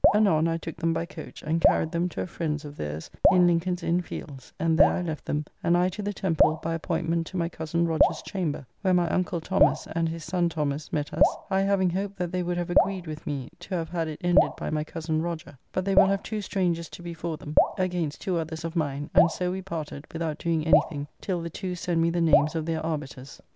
Anon I took them by coach and carried them to a friend's of theirs, in Lincoln's Inn Fields, and there I left them and I to the Temple by appointment to my cousin Roger's chamber, where my uncle Thomas and his son Thomas met us, I having hoped that they would have agreed with me to have had [it] ended by my cozen Roger, but they will have two strangers to be for them against two others of mine, and so we parted without doing any thing till the two send me the names of their arbiters.